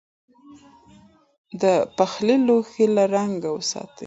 د پخلي لوښي له زنګ وساتئ.